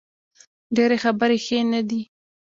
ډیرې خبرې ښې نه دي